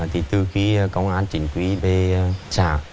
thì từ khi công an chính quyền về xã